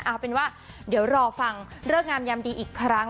เอาเป็นว่าเดี๋ยวรอฟังเลิกงามยามดีอีกครั้ง